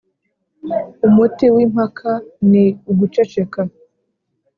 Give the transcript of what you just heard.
Umuti w’impaka ni uguceceka.